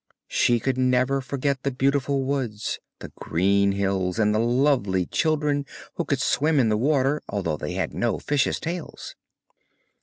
She could never forget the beautiful woods, the green hills and the lovely children who could swim in the water although they had no fishes' tails.